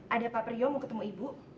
ada paprio mau ketemu ibu